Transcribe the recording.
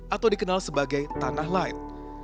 atau dikenal sebagai tanah light